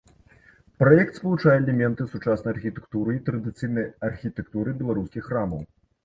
Праект спалучае элементы сучаснай архітэктуры і традыцыйнай архітэктуры беларускіх храмаў.